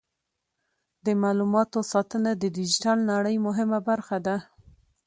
د معلوماتو ساتنه د ډیجیټل نړۍ مهمه برخه ده.